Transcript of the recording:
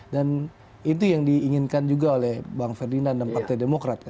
dan itu yang diinginkan juga oleh bang ferdinand dan partai demokrat